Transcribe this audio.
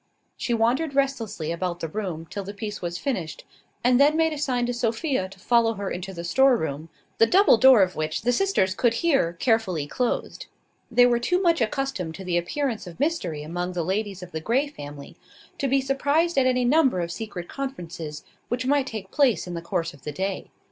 She wandered restlessly about the room till the piece was finished, and then made a sign to Sophia to follow her into the storeroom, the double door of which the sisters could hear carefully closed. They were too much accustomed to the appearance of mystery among the ladies of the Grey family, to be surprised at any number of secret conferences which might take place in the course of the day.